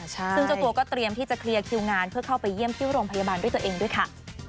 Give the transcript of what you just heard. ซึ่งเจ้าตัวก็เตรียมที่จะเคลียร์คิวงานเพื่อเข้าไปเยี่ยมที่โรงพยาบาลด้วยตัวเองด้วยค่ะ